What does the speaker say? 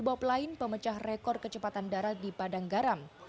bob lain pemecah rekor kecepatan darat di padang garam